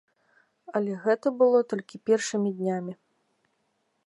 Але гэта было толькі першымі днямі.